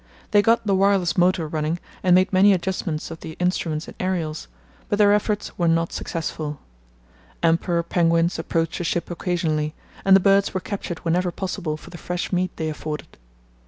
They got the wireless motor running and made many adjustments of the instruments and aerials, but their efforts were not successful. Emperor penguins approached the ship occasionally, and the birds were captured whenever possible for the fresh meat they afforded.